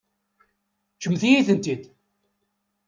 Ǧǧemt-iyi-tent-id.